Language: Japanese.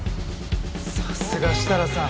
さすが設楽さん。